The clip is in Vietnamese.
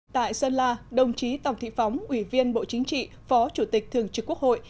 tại sơn la đồng chí tòng thị phóng ủy viên bộ chính trị phó chủ tịch thường trực quốc hội